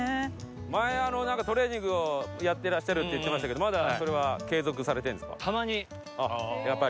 前あのなんかトレーニングをやってらっしゃるって言ってましたけどまだそれは継続されてるんですか？